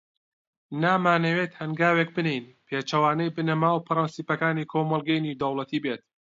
نامانەوێت هەنگاوێک بنێین، پێچەوانەوەی بنەما و پرەنسیپەکانی کۆمەڵگەی نێودەوڵەتی بێت.